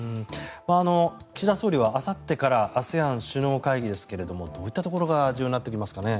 岸田総理はあさってからＡＳＥＡＮ首脳会議ですがどういったところが重要になってきますかね。